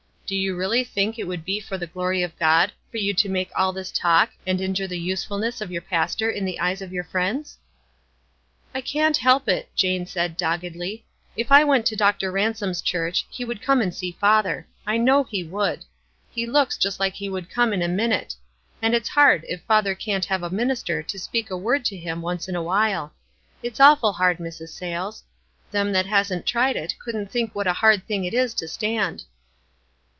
Do you really think it would be for the glory of God for you to make all this talk and injure the WISE AND OTHERWISE. 163 usefulness of your pastor in the eyes of your friends ?" "I can't help it," Jane said, doggedly. "If f went to Dr. Ransom's church he would come and see father. I know he would. He looks just like he would come in a minute ; and it's hard if father can't have a minister to speak a word to him once in a while. It's awful hard, Mrs. Sayles. Them that hasn't tried it couldn't think what a hard thing it is to stand."